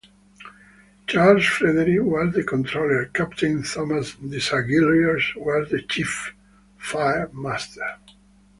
Charles Frederick was the controller, captain Thomas Desaguliers was the chief fire master.